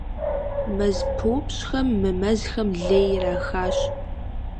МэзпыупщӀхэм мы мэзхэм лей ирахащ.